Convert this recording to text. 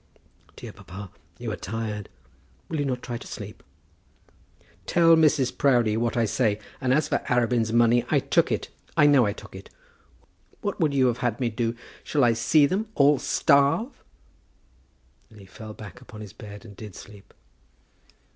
"Dear papa, you are tired. Will you not try to sleep?" "Tell Mrs. Proudie what I say; and as for Arabin's money, I took it. I know I took it. What would you have had me do? Shall I see them all starve?" Then he fell back upon his bed and did sleep.